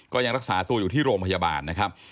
ก็ยังรักษาตัวอยู่ที่โรงพยาบาลนะครับ